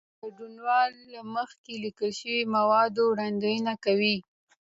ګډونوال له مخکې لیکل شوي مواد وړاندې کوي.